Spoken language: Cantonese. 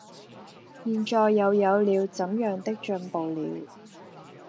現在又有了怎樣的進步了，